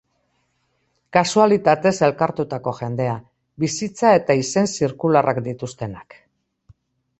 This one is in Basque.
Kasualitatez elkartutako jendea, bizitza eta izen zirkularrak dituztenak.